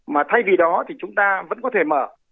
mà thay vì đó thì chúng ta vẫn có thể mở